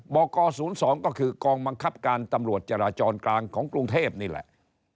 ก๐๒ก็คือกองบังคับการตำรวจจราจรกลางของกรุงเทพนี่แหละ